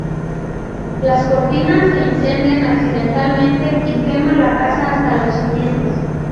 Las cortinas se incendian accidentalmente y quema la casa hasta los cimientos.